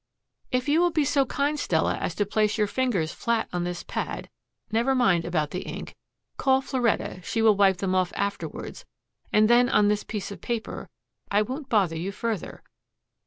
"If you will be so kind, Stella, as to place your fingers flat on this pad never mind about the ink; call Floretta; she will wipe them off afterwards and then on this piece of paper, I won't bother you further."